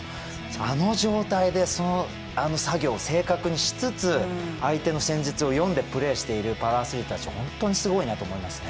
あの状態でその作業を正確にしつつ相手の戦術を読んでプレーしているパラアスリートたちは本当にすごいなと思いますね。